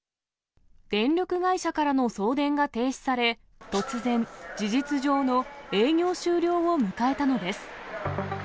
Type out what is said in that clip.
電力会社からの送電が停止され、突然、事実上の営業終了を迎えたのです。